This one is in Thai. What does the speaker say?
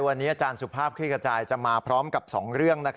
วันนี้อาจารย์สุภาพคลิกกระจายจะมาพร้อมกับ๒เรื่อง